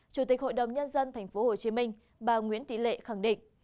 chủ tịch hội đồng nhân dân tp hcm bà nguyễn thị lệ khẳng định